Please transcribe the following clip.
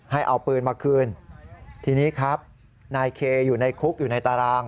ให้เอาปืนมาคืนทีนี้ครับนายเคอยู่ในคุกอยู่ในตาราง